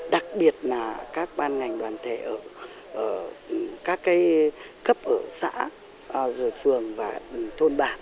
đặc biệt là các ban ngành đoàn thể ở các cấp ở xã rồi phường và thôn bản